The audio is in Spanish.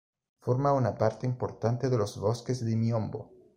Forma una parte importante de los bosques de miombo.